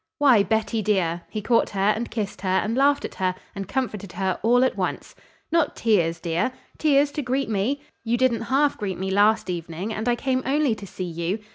"Why, Betty dear!" He caught her and kissed her and laughed at her and comforted her all at once. "Not tears, dear? Tears to greet me? You didn't half greet me last evening, and I came only to see you.